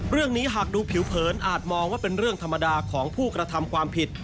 เรื่องนี้หากดูผิวเผินอาจมองว่าเป็นเรื่องธรรมดาของผู้กระทำความผิด